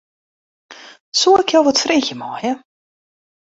Soe ik jo wat freegje meie?